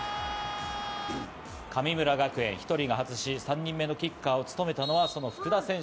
神村学園１人が外し、３人目のキッカーを務めたのはその福田選手。